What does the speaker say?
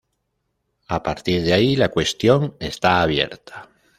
A partir de ahí la cuestión está abierta.